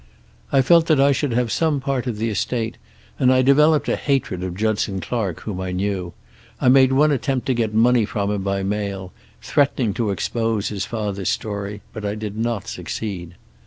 "I felt that I should have some part of the estate, and I developed a hatred of Judson Clark, whom I knew. I made one attempt to get money from him by mail, threatening to expose his father's story, but I did not succeed.